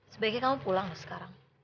sebaiknya kamu pulang sekarang